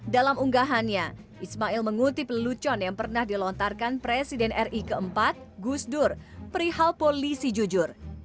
dalam unggahannya ismail mengutip lelucon yang pernah dilontarkan presiden ri keempat gusdur perihal polisi jujur